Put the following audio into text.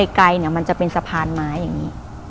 ไกลไกลเนี่ยมันจะเป็นสะพานไม้อย่างนี้